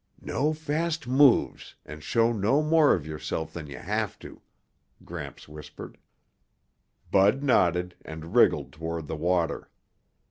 "No fast moves and show no more of yourself than you have to," Gramps whispered. Bud nodded and wriggled toward the water.